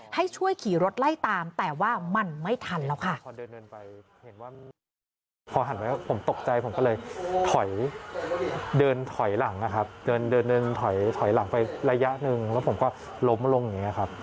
ให้ช่วยขี่รถไล่ตามแต่ว่ามันไม่ทันแล้วค่ะ